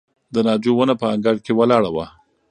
د ناجو ونه په انګړ کې ولاړه وه.